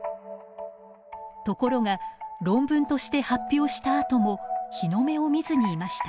ところが論文として発表したあとも日の目を見ずにいました。